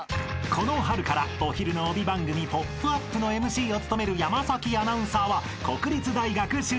［この春からお昼の帯番組『ポップＵＰ！』のＭＣを務める山アナウンサーは国立大学出身］